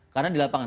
karena di lapangan